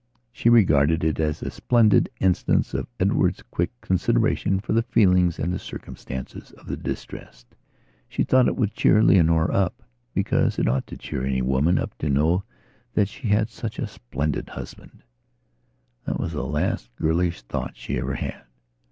She regarded it as a splendid instance of Edward's quick consideration for the feelings and the circumstances of the distressed. She thought it would cheer Leonora upbecause it ought to cheer any woman up to know that she had such a splendid husband. That was the last girlish thought she ever had.